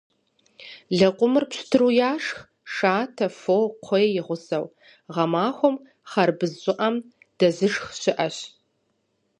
Лэкъумыр пщтыру яшх, шатэ, фо, кхъуей и гъусэу. Гъэмахуэм хъарбыз щӏыӏэм дэзышх щыӏэщ.